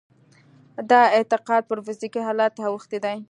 دا اعتقاد پر فزيکي حالت اوښتی دی.